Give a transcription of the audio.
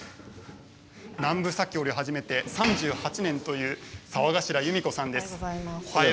南部裂織を始めて３８年という澤頭ユミ子さんです。